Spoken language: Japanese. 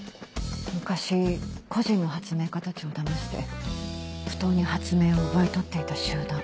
昔個人の発明家たちをだまして不当に発明を奪い取っていた集団。